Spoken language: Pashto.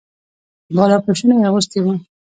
بالاپوشونه یې اغوستي وو.